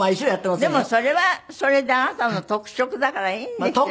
でもそれはそれであなたの特色だからいいんですよ